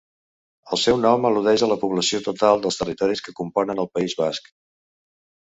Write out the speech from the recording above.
El seu nom al·ludeix a la població total dels territoris que componen el País Basc.